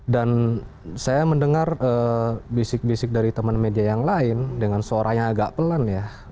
dan saya mendengar bisik bisik dari teman media yang lain dengan suaranya agak pelan ya